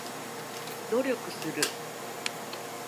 努力する